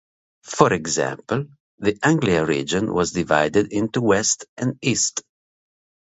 For example, the Anglia region was divided into West and East.